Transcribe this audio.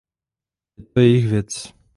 Je to jejich věc.